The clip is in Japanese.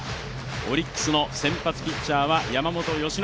オリックスの先発ピッチャーは山本由伸。